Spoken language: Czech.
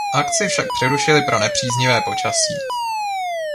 Akci však přerušili pro nepříznivé počasí.